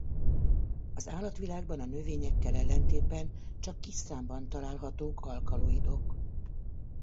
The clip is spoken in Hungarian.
Az állatvilágban a növényekkel ellentétben csak kis számban találhatók alkaloidok.